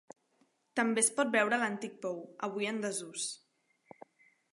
També es pot veure l'antic pou, avui en desús.